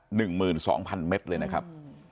หนึ่งหมื่นสองพันเมตรเลยนะครับ